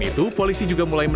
ketika pelanggaran dilakukan